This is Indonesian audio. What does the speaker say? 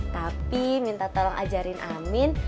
tapi minta tolong ajarin amin